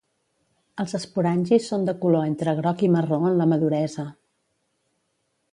Els esporangis són de color entre groc i marró en la maduresa.